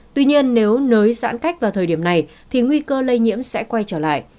tuy nhiên nếu nới giãn cách vào thời điểm này thì nguy cơ lây nhiễm sẽ quay trở lại